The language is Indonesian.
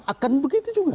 akan begitu juga